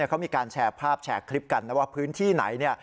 เขามีการแชร์ภาพแชร์คลิปกันนะว่าพื้นที่ไหน